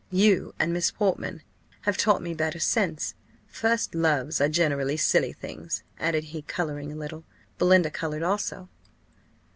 "You and Miss Portman have taught me better sense. First loves are generally silly things," added he, colouring a little. Belinda coloured also.